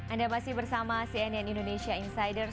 anda masih bersama cnn indonesia insiders